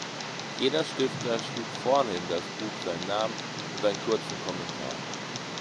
Jeder Stifter schrieb vorne in das Buch seinen Namen und einen kurzen Kommentar.